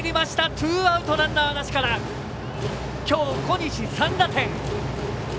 ツーアウト、ランナーなしからきょう小西３打点。